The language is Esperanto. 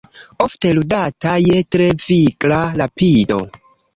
Ofte ludata je tre vigla rapido.